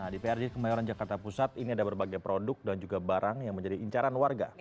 di prj kemayoran jakarta pusat ini ada berbagai produk dan juga barang yang menjadi incaran warga